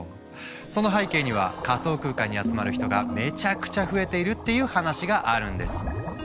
その背景には仮想空間に集まる人がめちゃくちゃ増えているっていう話があるんです。